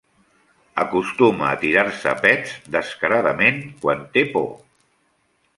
Acostuma a tirar-se pets descaradament quan té por.